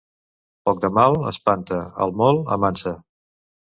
Poc de mal, espanta; el molt, amansa.